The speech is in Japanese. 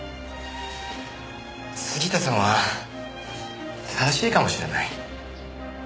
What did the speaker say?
杉下さんは正しいかもしれない。